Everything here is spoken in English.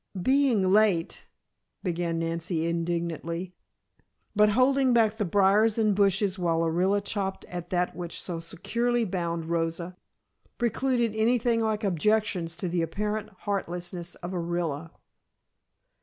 "Being late " began Nancy indignantly. But holding back the briars and bushes while Orilla chopped at that which so securely bound Rosa, precluded anything like objections to the apparent heartlessness of Orilla.